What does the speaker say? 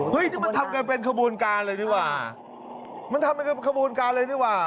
เฮ้ยนี่มันทำกันเป็นขบูรณ์การเลยนี่หว่ามันทำกันเป็นขบูรณ์การเลยนี่หว่า